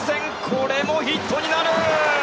これもヒットになる！